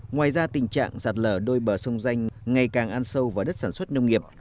ngoài ra tình trạng sạt lở đôi bờ sông danh ngày càng ăn sâu vào đất sản xuất nông nghiệp